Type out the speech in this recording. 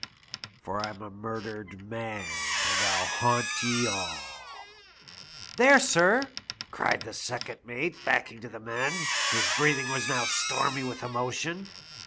Fm a murdered man, and TU h^unt ye aU.* "* There, sir,' cried the second mate, backing to the men, whose breathing was now stormy with emotion.